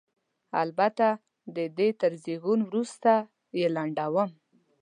البته د دې تر زېږون وروسته یې لنډوم.